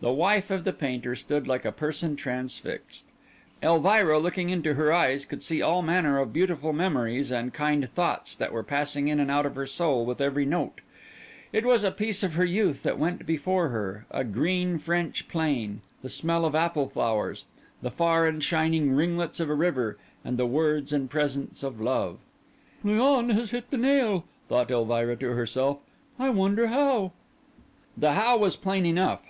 The wife of the painter stood like a person transfixed; Elvira, looking into her eyes, could see all manner of beautiful memories and kind thoughts that were passing in and out of her soul with every note; it was a piece of her youth that went before her; a green French plain, the smell of apple flowers, the far and shining ringlets of a river, and the words and presence of love. "Léon has hit the nail," thought Elvira to herself. "I wonder how." The how was plain enough.